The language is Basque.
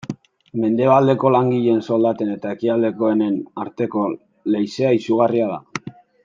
Mendebaldeko langileen soldaten eta ekialdekoenen arteko leizea izugarria da.